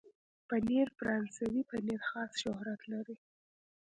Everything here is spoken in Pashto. پنېر فرانسوي پنېر خاص شهرت لري.